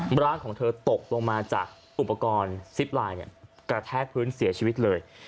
ร่างของเธอตกลงมาจากอุปกรณ์ซิปไลน์กระแทกพื้นเสียชีวิตเลย